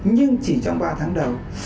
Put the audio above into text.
nhưng chỉ trong ba tháng đầu